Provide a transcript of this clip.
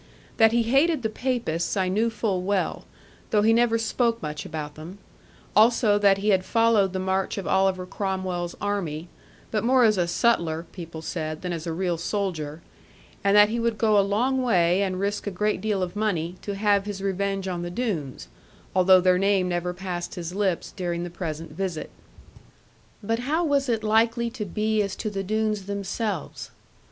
That he hated the Papists I knew full well, though he never spoke much about them; also that he had followed the march of Oliver Cromwell's army, but more as a suttler (people said) than as a real soldier; and that he would go a long way, and risk a great deal of money, to have his revenge on the Doones; although their name never passed his lips during the present visit. But how was it likely to be as to the Doones themselves?